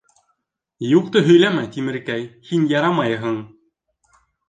— Юҡты һөйләмә, Тимеркәй, һин ярамайһың.